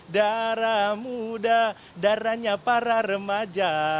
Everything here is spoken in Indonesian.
darah muda darahnya para remaja